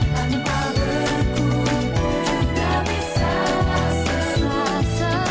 tanpa berhutu juga bisa selalu